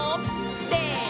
せの！